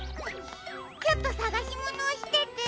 ちょっとさがしものをしてて・。